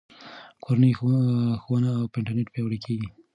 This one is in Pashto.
کورنۍ ښوونه په انټرنیټ پیاوړې کیږي.